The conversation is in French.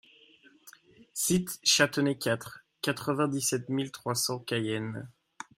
Cite Chatenay quatre, quatre-vingt-dix-sept mille trois cents Cayenne